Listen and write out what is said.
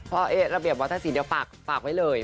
พ่อเอ๊ะระเบียบวัตถาศีเดียวฝากไว้เลย